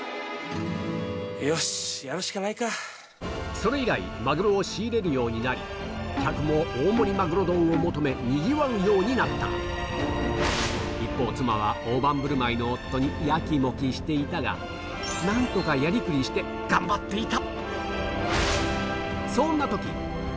それ以来マグロを仕入れるようになり客も大盛りマグロ丼を求めにぎわうようになった一方妻は大盤振る舞いの夫にやきもきしていたが頑張っていた！